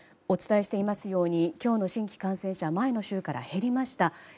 お伝えしていますように今日の新規感染者は前の週から減りました。